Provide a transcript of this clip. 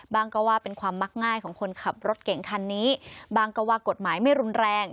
ก็ว่าเป็นความมักง่ายของคนขับรถเก่งคันนี้บางก็ว่ากฎหมายไม่รุนแรง